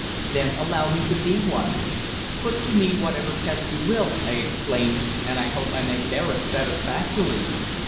"Then allow me to be one. Put to me whatever test you will," I exclaimed, "and I hope I may bear it satisfactorily.